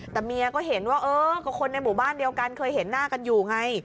แต่เมียก็เห็นว่าเออก็คนในหมู่บ้านเดียวกันเคยเห็นหน้ากันอยู่ไง